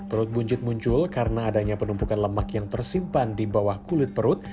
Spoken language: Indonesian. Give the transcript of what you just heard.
perut buncit muncul karena adanya penumpukan lemak yang tersimpan di bawah kulit perut